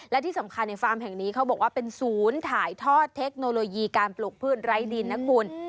และที่สำคัญในฟาร์มแห่งนี้เขาบอกว่าเป็นศูนย์ถ่ายทอดเทคโนโลยีการปลูกพืชไร้ดินนะคุณ